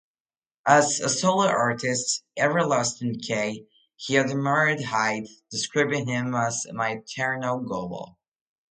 As a solo artist, Everlasting-K, he admired hide, describing him as "my eternal goal".